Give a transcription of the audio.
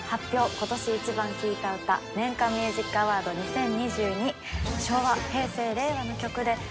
今年イチバン聴いた歌年間ミュージックアワード２０２２』。